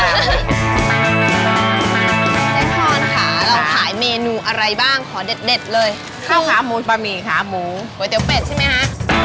เราขายเมนูอะไรบ้างขอเด็ดเด็ดเลยข้าวก๋วยเตี๋ยวเป็ดใช่ไหมฮะ